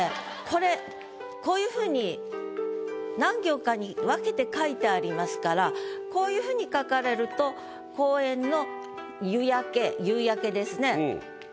これこういう風に何行かに分けて書いてありますからこういう風に書かれると「公園の夕焼」夕焼けですね。